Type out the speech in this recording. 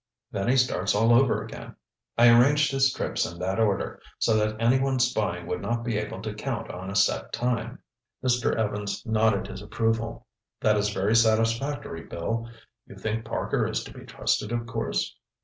Then he starts all over again. I arranged his trips in that order, so that anyone spying would not be able to count on a set time." Mr. Evans nodded his approval. "That is very satisfactory, Bill. You think Parker is to be trusted, of course?"